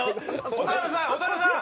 蛍原さん蛍原さん！